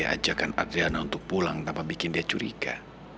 hindari ajakkan adriana untuk pulang tanpa bikin dia curiga